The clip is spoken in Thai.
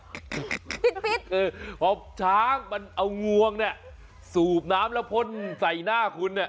คือพอช้างมันเอางว่างสูบน้ำแล้วพลในหน้าคุณ